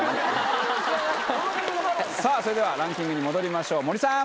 さぁそれではランキングに戻りましょう森さん。